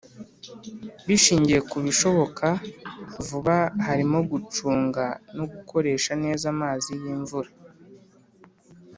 bishingiye ku bishoboka vuba harimo gucunga no gukoresha neza amazi y'imvura.